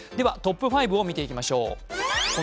トップ５を見てまいりましょう。